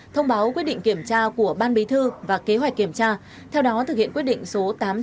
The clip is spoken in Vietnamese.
thông báo quyết định kiểm tra của ban bí thư và kế hoạch kiểm tra theo đó thực hiện quyết định số tám trăm sáu mươi